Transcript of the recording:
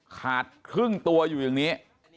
ขาดครึ่งตัวอยู่อย่างนี้